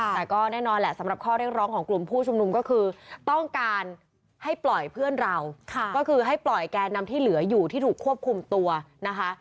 แต่ก็แน่นอนแหละสำหรับข้อเรียกร้องของกลุ่มผู้ชุมนุมก็คือต้องการให้ปล่อยเพื่อนเราก็คือให้ปล่อยแกนนำที่เหลืออยู่ที่ถูกควบคุมตัวนะคะ